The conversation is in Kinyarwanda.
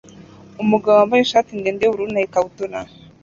Umugabo wambaye ishati ndende yubururu na ikabutura